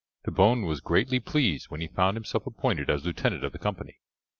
Trebon was greatly pleased when he found himself appointed as lieutenant of the company.